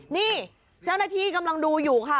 นี่เจ้าหน้าที่กำลังดูอยู่ค่ะ